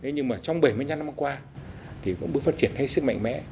nhưng mà trong bảy mươi năm năm qua thì cũng bước phát triển hết sức mạnh mẽ